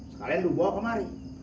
sekalian lu bawa kemari